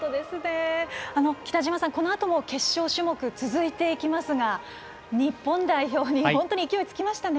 北島さん、このあとも決勝種目、続いていきますが日本代表に本当に勢いがつきましたね。